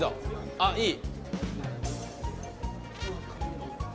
あっいい！